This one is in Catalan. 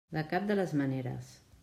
De cap de les maneres.